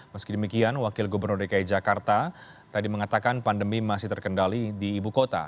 meski demikian wakil gubernur dki jakarta tadi mengatakan pandemi masih terkendali di ibu kota